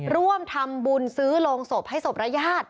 ร่วมทำบุญซื้อโรงศพให้ศพรายาท